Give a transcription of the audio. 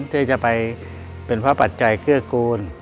เชื่อจะไปเป็นพระบัติใจเครือกร